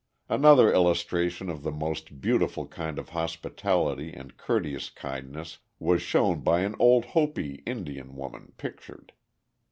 Another illustration of the most beautiful kind of hospitality and courteous kindness was shown by an old Hopi Indian woman pictured.